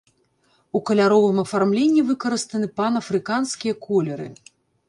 У каляровым афармленні выкарыстаны панафрыканскія колеры.